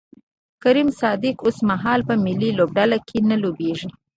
کریم صادق اوسمهال په ملي لوبډله کې نه لوبیږي